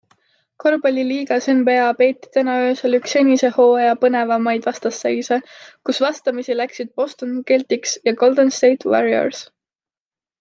Korvpalliliigas NBA peeti täna öösel üks senise hooaja põnevamaid vastasseise, kui vastamisi läksid Boston Celtics ja Golden State Warriors.